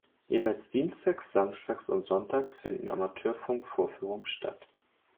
Jeweils Dienstags, Samstags und Sonntags finden Amateurfunk Vorführungen statt.